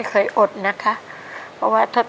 เป็นคนที่เบ้าที่เล่น